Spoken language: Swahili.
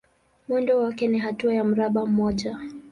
Mwendo wake ni hatua ya mraba mmoja.